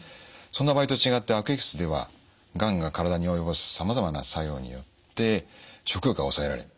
そんな場合と違って悪液質ではがんが体に及ぼすさまざまな作用によって食欲が抑えられる。